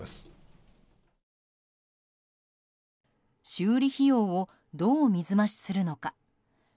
修理費用をどう水増しするのか。